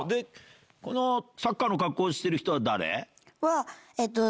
このサッカーの格好してる人は誰？